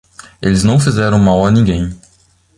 Eles não fizeram mal a ninguém.